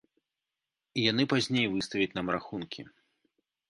І яны пазней выставяць нам рахункі.